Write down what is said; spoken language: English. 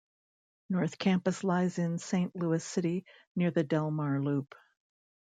North Campus lies in Saint Louis City near the Delmar Loop.